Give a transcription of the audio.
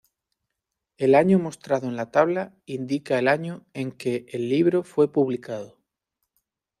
El año mostrado en la tabla indica el año en que libro fue publicado.